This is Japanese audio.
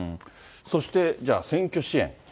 そしてじゃあ、選挙支援。